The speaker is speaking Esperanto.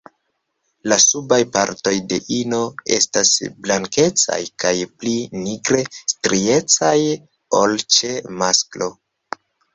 La subaj partoj de ino estas blankecaj kaj pli nigre striecaj ol ĉe masklo.